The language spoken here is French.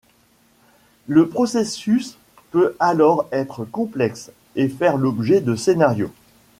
Le processus peut alors être complexe et faire l’objet de scénarios.